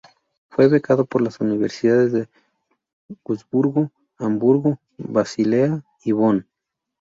Fue becado por las universidades de Wurzburgo, Hamburgo, Basilea y Bonn.